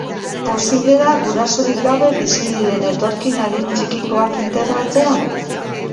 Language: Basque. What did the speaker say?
Posible da gurasorik gabe bizi diren etorkin adin txikikoak integratzea?